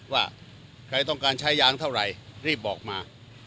ว่าใครต้องการใช้ยางเท่าไหร่รีบบอกมา